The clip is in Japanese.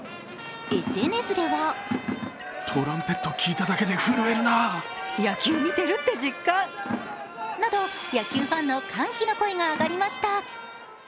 ＳＮＳでは野球ファンの歓喜の声が上がりました。